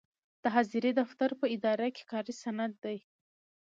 د حاضرۍ دفتر په اداره کې کاري سند دی.